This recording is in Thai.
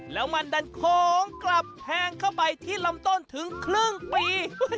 แล้วมันดันโค้งกลับแทงเข้าไปที่ลำต้นถึงครึ่งปี